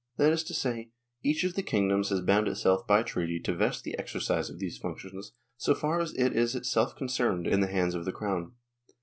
That is to say, each of the kingdoms has bound itself by treaty to vest the exercise of these func tions, so far as it is itself concerned, in the hands of the Crown.